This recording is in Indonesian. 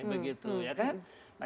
begitu ya kan